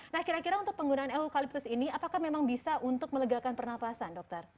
nah kira kira untuk penggunaan eukaliptus ini apakah memang bisa untuk melegakan pernafasan dokter